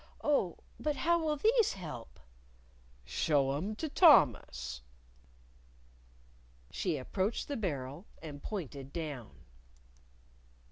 "Oh, but how'll these help?" "Show 'em to Thomas!" She approached the barrel and pointed down.